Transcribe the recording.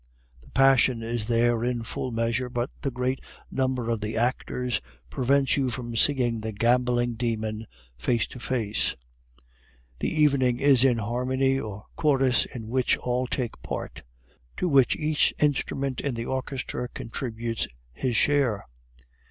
The passion is there in full measure, but the great number of the actors prevents you from seeing the gambling demon face to face. The evening is a harmony or chorus in which all take part, to which each instrument in the orchestra contributes his share.